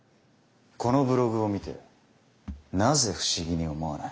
このブログを見てなぜ不思議に思わない？